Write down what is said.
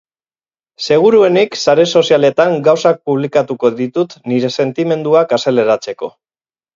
Seguruenik, sare sozialetan gauzak publikatuko ditut nire sentimenduak azaleratzeko.